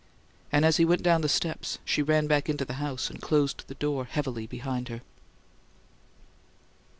And as he went down the steps, she ran back into the house and closed the door heavily behind her.